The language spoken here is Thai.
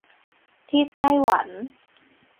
ที่ไต้หวัน